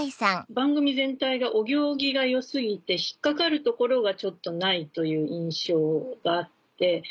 番組全体がお行儀が良過ぎて引っ掛かるところがちょっとないという印象があって。